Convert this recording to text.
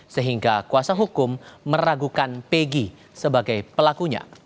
sehingga kuasa hukum meragukan pegi sebagai pelakunya